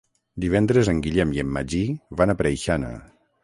Divendres en Guillem i en Magí van a Preixana.